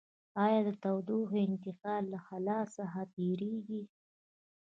آیا د تودوخې انتقال له خلاء څخه تیریږي؟